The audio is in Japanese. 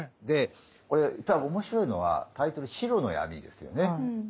でこれ面白いのはタイトル「白の闇」ですよね。